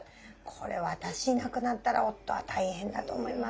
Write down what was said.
これ私いなくなったら夫は大変だと思いますよ。